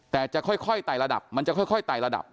แต่จะค่อยไต่ระดับมันจะค่อยไต่ระดับ